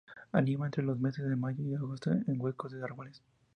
Anidan entre los meses de mayo y agosto, en huecos de árboles.